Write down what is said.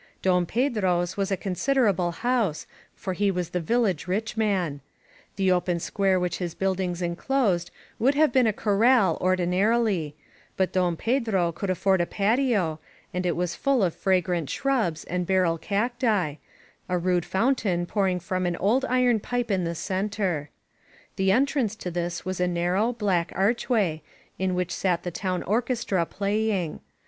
Don Pedro's was a considerable house, for he was the village rich man. The open squaref which his buildings enclosed would have been a 811 INSURGENT MEXICO corral ordinarily ; but Don Pedro could afford a patio, and it was full of fragrant shrubs and barrel cacti, — a rude fountain pouring from an old iron pipe in the center. The entrance to this was a narrow, black arch way, in which sat the town orchestra playing.